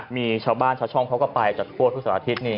มีชาวบ้านชาวช่องเขาก็ไปจากทั่วทุกสัตว์อาทิตย์นี่